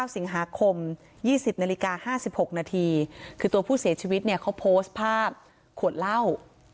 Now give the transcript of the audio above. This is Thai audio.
สิงหาคม๒๐นาฬิกา๕๖นาทีคือตัวผู้เสียชีวิตเนี่ยเขาโพสต์ภาพขวดเหล้า